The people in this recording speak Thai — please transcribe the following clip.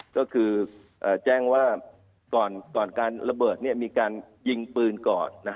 ก็คือแจ้งว่าก่อนการระเบิดมีการยิงปืนก่อน